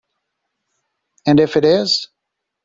And if it is?